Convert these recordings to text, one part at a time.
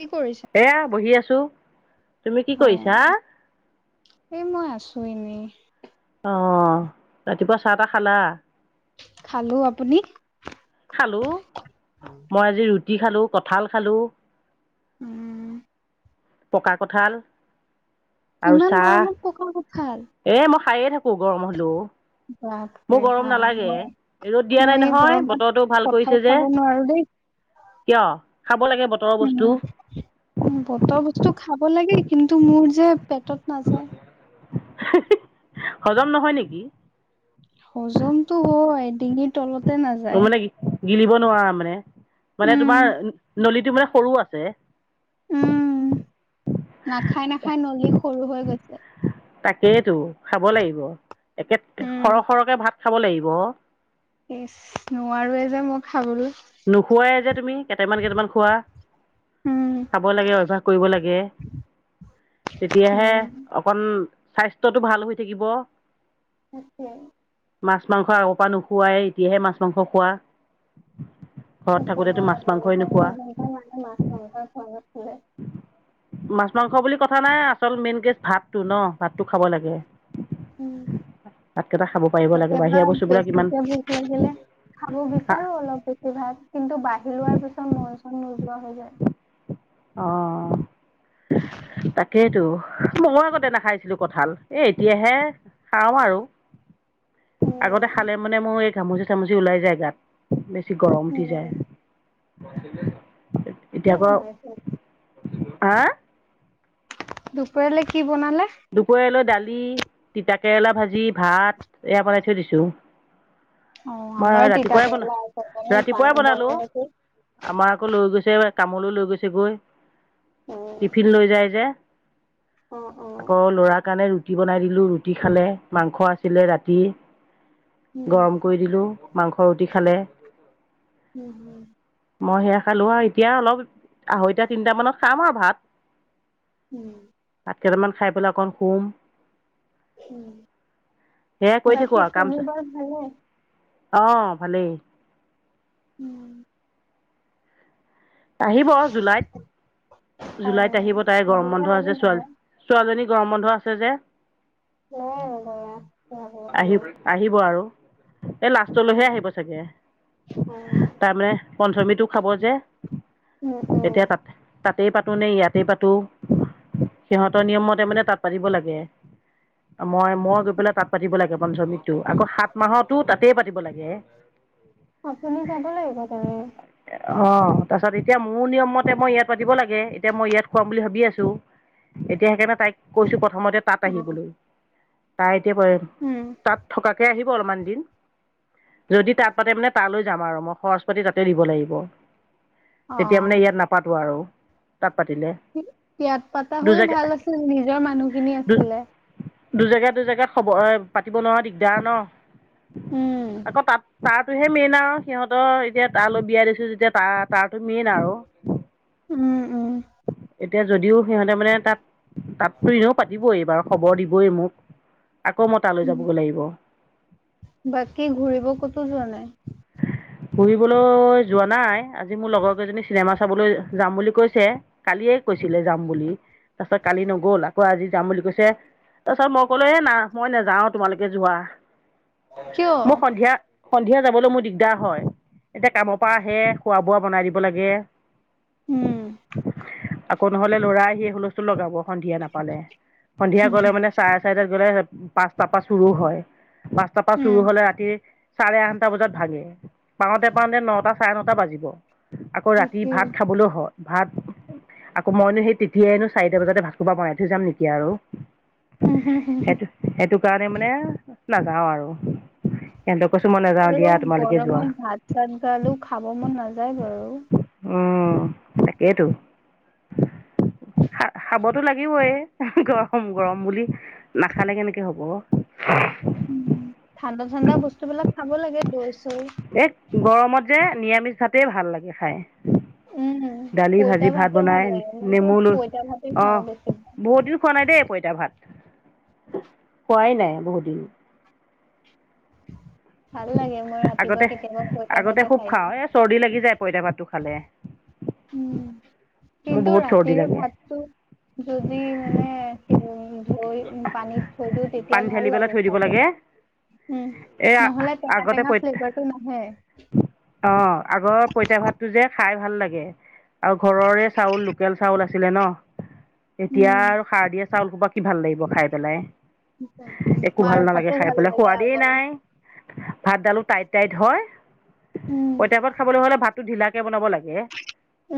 কি কৰিছে? এয়া বহি আছোঁ। তুমি কি অ কৰিছা এই মই আছো এনেই। অ ৰাতিপুৱা চাহ তাহ খালা। খালো আপুনি। খালোঁ মই আজি ৰুটি খালো কঁঠাল খালো। উম। পকা কঁঠাল। আৰু ইমান চাহ গৰমত পকা কঁঠাল এ মই খায়ে থাকো গৰম হলেও। মোৰ বাপৰে গৰম বাপ নালাগে মই ৰ'দ দিয়া মই নাই এই নহয় গৰমত বতৰটো ভাল কঁঠাল কৰিছে যে। খাব নোৱাৰো দেই কিয় খাব লাগে বতৰৰ বস্তু। টো খাব লাগে কিন্তু মোৰ যে পেটত নাযায়। হজম নহয় নেকি? হজমতো হয়। ডিঙি তলত- মানে গিলিব নোৱাৰা মানে মানে উম তোমাৰ নলীত- টো মানে সৰু আছে। খাই নলী সৰু হৈ গৈছে। তাকেই টো খাব লাগিব একে উম সৰহ সৰহকে ভাত খাব লাগিব। নোৱাৰোৱে যে মই খাবলৈ। নোখোৱাই যে তুমি কেইটামান - কেইটামান খোৱা। উম খাব লাগে অভ্যাস কৰিব লাগে। তেতিয়াহে উম অকণ- মান স্বাস্থ্যটো ভাল হৈ থাকিব। হয়। মাছ, মাংস আগৰ পৰাই নোখোৱাই এতিয়াহে মাছ, মাংস খোৱা। ঘৰত কি থাকোঁতেতো ক'বা মাছ মাংসই আৰু নোখোৱা মানে মাছ, মাংস খোৱা নাছিলো। মাছ মাংস বুলি কথা নাই আচল মেইন কে ভাতটো ন' ভাতটো খাব লাগে। উম'। ভাতকেইটা খাব পাৰিব লাগে কেতিয়াবা বাহিৰা বস্তুবিলাক ইমান বেছিকে ভোক লাগিলে খাব বিচাৰো অলপ বেছি সভাগ কিন্তু বাঢ়ি লোৱাৰ পিছত মন চন নোযোৱা হৈ যায়। অ তাকেইতো মৱো আগতে নাখাইছিলো। কঁঠাল এই এতিয়াহে খাওঁ আৰু আগতে উম, খালে মানে মোৰ এক। ঘামুচি চামুচি ওলাই যায় গাত বেছি গৰম উঠি যায়। উম, হ। আহ। দুপৰলৈ কি। বনালে? দুপৰলৈ দালি তিতাকেৰেলা ভাজি ভাত। এয়া পেলাই থৈ দিছো। অ আমাৰ তিতা কেৰেলা ৰাতিপুৱাই [unintelligible] বনাঙ বনালোঁ নেকি আমাৰ আকৌ লৈ গৈছে কামলৈ লৈ গৈছে গৈ উম, টিফিন লৈ যায় যে। অ', অ'। আকৌ ল'ৰাৰ কাৰণে ৰুটি বনাই দিলোঁ ৰুটি খালে মাংস আছিলে ৰাতি। উম, গৰম কৰি দিলো মাংস ৰুটি খালে। উম হম। মই সেয়া খালো আৰু এতিয়া অলপ আঢ়ৈটাীয়া তিনিটামানত খাম আৰু ভাত। উম ভাত কেইটামান খাই পেলাই অকণ শুম। উ সেয়াই কৰি বাকী চুনো বাৰ ভালে। আহ ভালেই। উম আহিব জুলাইত জুলাইত অ', আহিব তাই গৰম আহিলে বন্ধ আহিম আছে আৰু। ছোৱালী ছোৱালীজনী। গৰম বন্ধ আছে যে। উ আহি আহিব আৰু। এই লাষ্টলৈহে আহিব চাগে অ তাৰমানানে পঞ্চমীটো খাব যে। উম উ। এতিয়া তাত তাতেই পাতো নে ইয়াতেই পাতো সিহঁতৰ নিয়মতে মানে তাত পাতিব লাগে। মই - মই গৈ পেলাই তাত পাতিব লাগে পঞ্চমিকটো আকৌ সাত। মাহতো তাতেই পাতিব লাগে। আপুনি লাগিব তে। অঁ তাৰপাছত এতিয়া মোৰ নিয়ম মতে মই ইয়াত পাতিব লাগে এতিয়া মই ইয়াত খুৱাম বুলি ভাবি আছো। এতিয়া সেইকাৰণে তাইক কৈছো ক। প্ৰথমতে তাত উম আহিবলৈ তাই এতিয়া উম তাত থকাকে আহিব। গৰমানমান দিন। যদি তাত পাতে মানে তালৈ যাম আৰু মই খৰচ পাতি তাতে দিব লাগিব। অ তেতিয়া মানে ইয়াত নাপাতো আৰু তাত। পাতিলে ইয়াত পাতা হৈও দুজেগা ভাল আছিলে নিজৰ মানুহখিনি দু আছিলে। দুজেগা দুজেগাত খবৰ এ পাতিব নোৱাৰা দিগদাৰ ন উম আকৌ তাত। তাতোহে মেইন আৰু সিহঁতৰ এতিয়া তালৈ বিয়া দিছো যেতিয়া তাৰ তাতো মেইন আৰু। উম উম। এতিয়া যদিও সিহঁতে মানে তাত তাত এনেও পাতিবই বাৰু খবৰ দিবই মোক। আকৌ মই তালৈ যাবগৈ লাগিব। বাকী ঘূৰিব ক'তো যোৱা নাই। ফুৰিবলৈ যোৱা নাই আজি মোৰ লগৰ কেইজনী চিনেমা চাবলৈ যাম বুলি কৈছে কালিয়েই। কৈছিলে যাম বুলি তাৰপিছত কালি নগল আকৌ আজি যাম বুলি কৈছে। তাৰপিছত মই ক'লো এ না মই নাযাও তোমালোকে যোৱা। কিয়? মোৰ সন্ধিয়া সন্ধিয়া যাবলৈ মোৰ। দিগদাৰ হয় এতিয়া কামৰ পৰা আহে খোৱা বোৱা বনাই দিব লাগে। উম। আকৌ নহলে ল'ৰাই সি হুলস্থটো লগাব সন্ধিয়া নাপালে সন্ধিয়া গলে মানে চাৰে চাৰিতা। গলে পাঁচটাৰ পা চুৰো হয় পাঁচটাৰ পা চুৰো উম হলে ৰাতি চাৰে আঠটা বজাত। পাওঁতে পাওঁতে নটা চাৰে নটা বাজিব আকৌ ৰাতি তাকে ভাত খাবলৈও হয়। ভাত আকৌ মইনো সেই তেতিয়াই নো চাৰিটা বজাতে ভাত খোপা বনাই থৈ যাম নেকি আৰু। উম হুম হুম হম। সেইটো সেইটো কাৰণে মানে নাযাওঁ আৰু এহতক কৈছো মই নাযাও আৰু দিয়া। তোমালোকে যোৱা গৰমত ভাত চাত গালো খাব মন নাযায় বাৰু। অ তাকেইতো। খাবতো লাগিবই গৰম গৰম বুলি নাখালে কেনেকে হ'ব। উ ঠাণ্ডা ঠাণ্ডা বস্তুবিলাক খাব লাগে দৈ চৈ। এই গৰমত যে নিৰামিষ ভাতেই ভাল লাগে খাই। উম। দালি পইতা ভাজি ভাত ভাতে ভাল বনাই লাগে মইতো নেমু ল পইতা ভাতে অ খাওঁ বেছি। বহুত দিন খোৱা নাই দেই পইতা ভাত। খোৱাই নাই বহুত দিন। [unintelligible] লাগে মই ৰাতিপুৱা আগতে কেতিয়াবা পইতা আগতে ভাতে খুব খাই খাওঁ দিওঁ এ চৰ্দি লাগি যায় পঁইতা ভাতটো খালে। উম মোৰ কিন্তু বহুত চৰ্দি ৰাতিৰে লাগে ভাতটো যদি মানে। উম ধুই পানীত থৈ দিওঁ তেতিয়া পানী ভাল ঢালি পেলাই লাগে থৈ দিব খাই পেলে। উম এই নহ'লে টেঙা টেঙা ফ্লেভাৰটো নাহে। অ আগৰ পইতা ভাতটো যে। খাই ভাল লাগে আৰু ঘৰৰে চাউল লোকেল চাউল আছিলে ন। এতিয়া উম, আৰু সাৰ দিয়া চাউল হোপা কি ভাল লাগিব খাই পেলাই তাকে। একো মাৰ ভাল নালাগে ভাতো খাই ভাল পেলাই লাগে সোৱাদেই আগৰ নাই ভাতডালো টাইট টাইট হয় উম পঁইতাপাত খাবলৈ হ'লে ভাতটো ঢিলাকৈ বনাব লাগে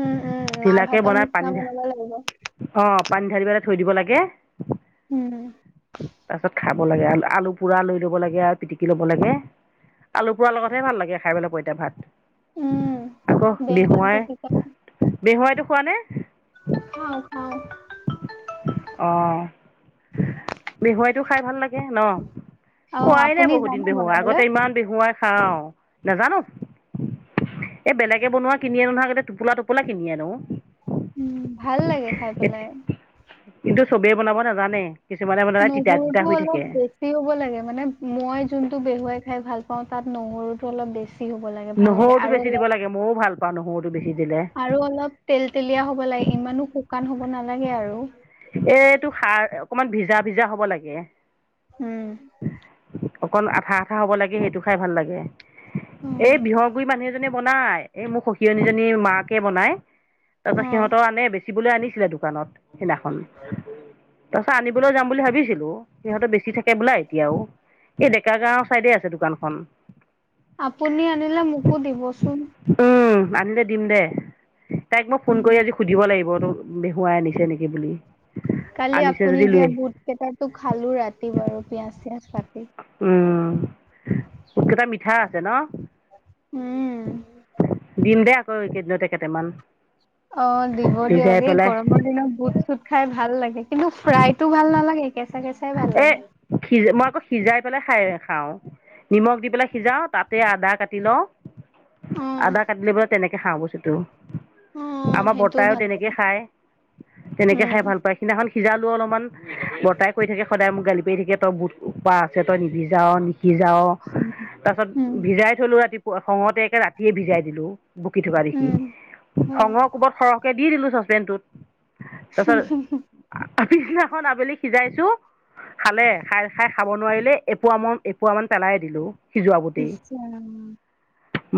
উম উম, মাৰ ঢ়িলাকে ভাতৰ বনাই নিচিনা পানী বনাব লাগিব অ পানী ঢালি পেলাই থৈ দিব লাগে উম তাৰ পাছত খাব লাগে আলু পুৰা লৈ ল'ব লাগে আৰু পিটিকি ল'ব লাগে আলু পুৰা লগতহে ভাল লাগে খাই পেলাই পইতা ভাত উম, আকৌ বেঙেনা বিহুৱাই পিটিকা বিহুৱাইটো খোৱা নে অ ক অ বিহুৱাইটো খাই ভাল লাগে ন অ খোৱাই নাই আপুনি বহুত দিন জানে বিহুৱাই আগতে বনাবলৈ ইমান বিহুৱাই খাওঁ নাজানো এই বেলেগে বনোৱা কিনি আনো আগতে টোপোলা টোপো কিনি আনো উম ভাল লাগে খাই পেলাই কিন্তু চবেই বনাব নাজানে কিছুমানে বনালে তিতা তিতা নহৰুটো হৈ অলপ থাকে বেছি হ'ব লাগে মানে মই যোনটো বেহুৱাই খাই ভাল অ তাত নহৰুটো অলপ বেছি হ'ব লাগ ভাল লাগে নহৰুটো আৰু বেছি দিব লাগে ময়ো ভাল পাওঁ নহৰুটো বেছি দিলে অলপ আৰু অলপ তেল তেলীয়া হ'ব লাগে ইমানো শুকান হ'ব নালাগে আৰু এইটো সাৰ অকমান ভিজা ভিজা হ'ব লাগে উম অকন আঠা আঠা হব লাগে সেইটো খাই ভাল লাগে অ এই বিহৰগুৰি মানুহ এজনে [unintelligible] বনাই এই মোক সখিয়নীজনী মাকে বনাই তাৰপিছত অ', সিহঁতৰ আনে বেছি বিকিবলৈ আনিছিলে দোকানত সিদিনাখন তাৰ পিছত আনিবলৈ যাম বুলি ভাবিছিলো সিহঁতেৰ বেছি থাকে বোলা এতিয়াও এই ডেকা গাঁওৰ চাইডে আছে দোকানখন [unintelligible] আপুনি আনিলে মোকো দিবচোন উম আনিলে দিম দে তাইক মই ফোন উম কৰি আজি সুধিব লাগিব ত বেহুৱাই আনিছে নেকি বুলি [unintelligible] কালি আনিছে আপুনি যদি লৈ দিয়া আহি বুট কেইটাটো খালো ৰাতি বাৰু পিয়াজ চিয়াজ পাতি [unintelligible] বোত কেটা মিঠা আছে ন উম দিম দে আকৌ এইকেইদিনতে কেইটামান অ দিব সিজাই দিয়ক এই পেলাই গৰমৰ দিনত বুট চুট খাই ভাল লাগে কিন্তু ফ্ৰাইতটো ভাল নালাগে একেচা [unintelligible] এ সিজ মই আকৌ সিজাই পেলাই খাই খাওঁ নিমখ দি পেলাই সিজাওঁ তাতে আদা কাটি লওঁ অ [unintelligible] আদা কাটিলে বলে তেনেকে খাওঁ বস্তুটো অ আমাৰ সেইটোও বৰ্তাইও ভাল তেনেকে লাগে খায় তেনেকে খাই উম ভাল পায় সিদিনাখন সিজালো অলপমান বৰ্তাই কৰি থাকে সদায় মোক গালি পাৰি থাকে তই বহুত উপাহ আছে তই নিহিজাও [unintelligible] সিজাওঁ উম, তাৰপাছত ভিজাই থলোঁ ৰাতিপুৱা খঙতে একে ৰাতিয়ে ভিজাই দিলোঁ [unintelligible] বুকি থকা দেখি উম, হয়। খঙৰ কোবত সৰহকে দি দিলো ছাচপেনডটোত [unintelligible] তাৰ পাছত পিছনাদিনাখন আবেলি সিজাইছো খালে খাই খাই খাব নোৱাৰিলে এপোৱা ম এপোৱা মান পেলাই দিলো সিজোৱা বুটেই নিশ্চয়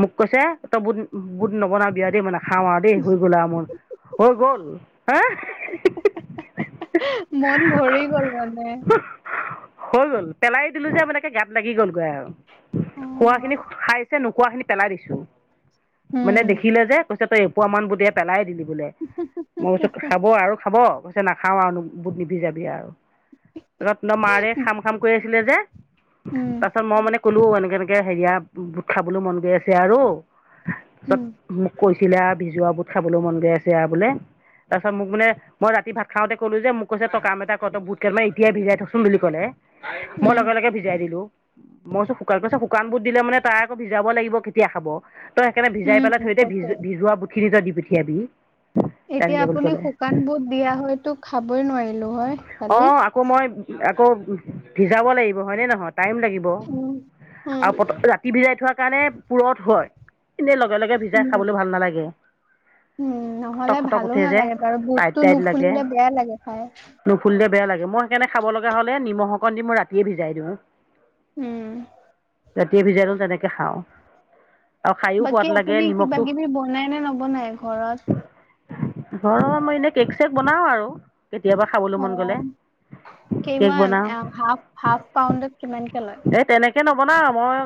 মোক কৈছে তই বুধ বুট নবনাবি আউ দেই মানে নাখাও খাৱা দেই হৈ গ'ল মোৰ হৈ গ'ল হা মন ভৰি গল মানে হৈ গ'ল পেলাই দিলো যে মানেকে গাত লাগি গ'লগৈ আৰু [unintelligible] খোৱা অ'। খিনি খাইছে নোখোৱা খিনি পেলাই দিছো মানে উম দেখিলে যে কৈছে তই এপোৱা মান বুট দিয়ে পেলাই দিলি বোলে মই কৈছো খাব আৰু খাব [unintelligible] কৈছে নাখাও আৰু বহুত নিবি যাবি আৰু [unintelligible] মাৰে খাম খাম কৰি আছিলে যে উম তাৰপাছত মই মানে ক'লো এনেকে এনেকে হেৰিয়া বুট খাবলৈ মন গৈ আছে আৰু তাৰপিছত উম মোক কৈছে চিলা ভিজোৱা বুত খাবলৈও মন গৈ আছে আৰু বোলে তাৰপাছত মোক মানে মই ৰাতি ভাত খাওঁতে ক'লো যে মোক কৈ টকাম এটা ক ত বুক কট ম এতিয়া ভিজাই থাকচ বুলি কলে মই উম লগে লগে ভিজাই দিলো। মই শুকান পিছত শুকান বুত দিলে মানে তাই আকৌ ভিজাব লাগিব কেতিয়া খাব তই সেইকাৰণে ভজাই উম, পাই থয় দে ভিজ তাকে। ভজোৱা বুট খিনি তই দি পঠিয়াবি এতিয়া তেনেকে বুলি আপুনি ক'লে শুকান বোৰ দিয়া হয়তো খাবই নোৱাৰিলো হয় কালি। অঁ আকৌ মই আকৌ ভিজাব লাগিব হয়নে নহয় টাইম লাগিব উম উম। আৰু প ৰাতি ভিজাই থোৱা কাৰণে পুৰত হয় এনেই লগে লগে ভিজাই উম খাবলৈ ভাল নালাগে। উম খটক নহ'লে খটক ভালো উঠে যে নালাগে বাৰু টাইট বোততো টাইট লাগে নুফুলিলে বেয়াই লাগে খাই নুফুলিলে বেয়া লাগে মই সেইকাৰণে খাব লগা হ'লে নিমখ অকণ দি মই ৰাতিয়ে ভিজাই দিওঁ উম ৰাতিয়ে ভিজাই লওঁ তেনেকে খাওঁ আৰু খায়ো বাকী সোৱাদ লাগে আপুনি কিবা নিমখটো কিবি বনাই নে নবনায় ঘৰত ঘৰৰ মই এনে কেক চেক বনাওঁ আৰু কেতিয়াবা খাবলৈ মন গ'লে অঁ কেক কিমান বনাওঁ হাফ হাফ পাউণ্ডত কিমানকে লয় এই তেনেকে নবনাওঁ মই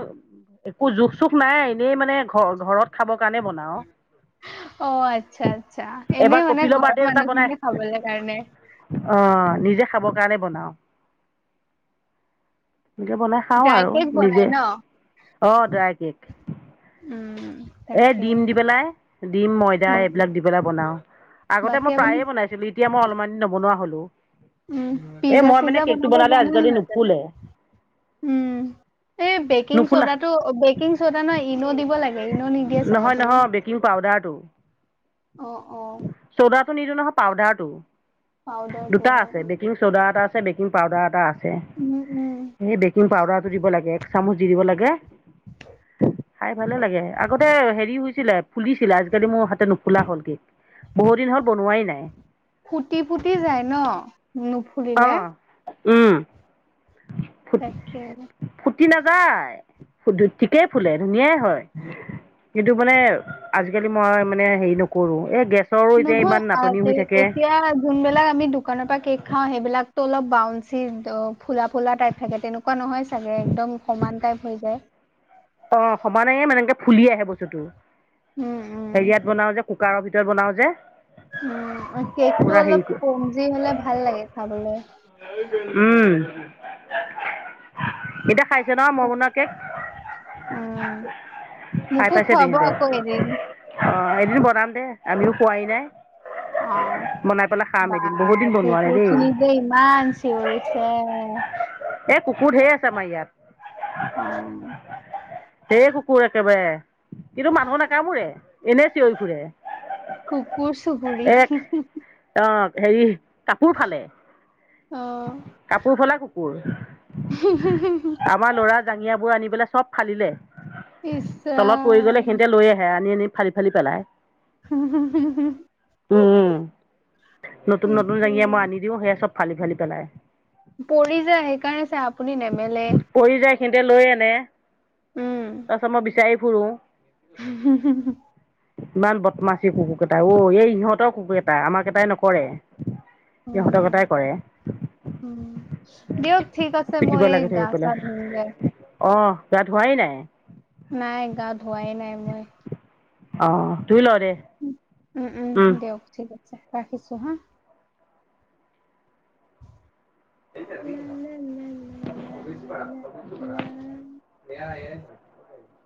একো জোখ চোখ নাই এনেই মানে ঘ ঘৰত খাবৰ কাৰণে বনাওঁ অঁ আচ্ছা আচ্ছা এনে এবাৰ মানে কপিলৰ ঘৰৰ মানুহখিনিকে খাবলে কাৰণে আহ নিজে খাব কাৰণে বনাওঁ এনেকে বনাই খাঁও ড্ৰাই আৰু কেক বনাই নিজে ন আহ ড্ৰাই কেক উম এ তাকে ডিম দি পেলাই ডিম ময়দা উম এইবিলাক দি পেলাই বনাওঁ আগতে বাকী মই আপুনি প্ৰায়ে বনাইছিলো এতিয়া মই অলপমান দিন নবনোৱা হলো। উম এ পিজ্জা মই মানে চিজ্জা কেকটো বনাব বনালে জানে নে আজিকালি নাজানে নুফুলে উম এই বেকিং নুফুলা চ'দাটো বেকিং চ'দা নহয় ইন দিব লাগে ইন নি নহয় নহয় বেকিং পাউদাৰটো অ অ চ'ডাত নিদি নহয় পাউদাৰ টো পাউদাৰটো দুটা আছে বেকিং চ'দা এটা আছে বেকিং পাউদাৰ এটা আছে উম উম এই বেকিং পাউদাৰটো দিব লাগে এক চামুচ দি দিব লাগে খাই ভালে লাগে আগতে হেৰি হৈছিলে ফুলিছিলে আজিকালি মোৰ হ নুফুলা হ'ল কেক বহু দিন হ'ল বনোৱাই নাই উ অ নুফুলিলে উম ফুট তাকে ফুটি নাযায় ঠিকেই ফুলে ধুনীয়াই হয় কিন্তু মানে আজিকালি মই মানে হেৰি নকৰো এ গেছ নহয় আঁ এতিয়া যোনবিলাক আমি দোকানৰ পৰা কেক খাওঁ সেইবিলাক টো অলপ বাউন্ঞ্চি ফুলা ফুলা টাইপ থাকে তেনেকুৱা নহয় চাগে একদম সমান টাইপ হৈ যায় অঁ সমানে মানেকে ফুলি আহে বস্তুতটো উম উম হেয়াত বনাও যে কুকাৰৰ ভিতৰত বনাওঁ যে। উম কেকটো পূৰা হেৰি অলপ কৰি কম্জি হলে ভাল লাগে খাবলৈ উম এতিয়া খাই কেনেকুৱা মই বনোৱা কেক। উম খাই মোকোকো পাইছে খুৱাব তেহেঁতে আকৌ এদিন অঁ এদিন বনাম দে আমিওঁ খোৱাই নাই অ বনাই পেলাই খাম বা এদিন বহুত দিন বনোৱা নাই কুকুৰ দেই খিনি যে ইমান চিঞৰিছে এই কুকুৰ ঢেৰ আছে আমাৰ ইয়াত উম ধেই কুকুৰ আছে একেবাৰে কিন্তু মানুহ নাকামোৰে এনে চিঞৰি ফুৰে। কুকুৰ চুবুৰী এক হি হি হি। অ' হেৰি কাপোৰ ফালে। অ কাপোৰ ফালা কুকুৰ, আমাৰ লৰা জাঙিয়া বোৰ আনিবলৈ চব ফালিলে, ইচ তলত পৰি গ'লে ৰাম সেইখিনিতে লৈ আহে আনি আনি ফালি ফালি পেলায়। হু হু হু হু হু হু। উম, নতুন নতুন জাঙিয়া মই আনি দিওঁ সেয়া চব ফালি ফালি পেলায়। পৰি যায় সেইকাৰণে চাই আপুনি নেমেলে। পৰি যায় সিহঁতে লৈ আনে, তাৰ পিছত মই বিচাৰি ফুৰো। উম হু হু হু। ইমান বদমাচী কুকুৰকেইটা অ, এই সিহঁতৰ কুকুৰ কেইটা আমাক কেইটাই নকৰে। সিঁহতৰ উম, কেইটাই কৰে। উম দিয়ক ঠিক আছে মই এই গা চা ধুওগে। অঁ গা ধুৱাই নাই? নাই গা ধোৱাই নাই মই। অ। ধুই ল দে উম উম দিয়ক ঠিক আছে ৰাখিছো হা। লা লা লা লা লা লা লা। [unintelligible]